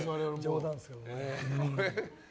冗談ですけどね。